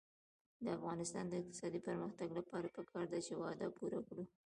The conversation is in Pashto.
د افغانستان د اقتصادي پرمختګ لپاره پکار ده چې وعده پوره کړو.